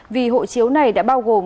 vì hộ chiếu này đã bao gồm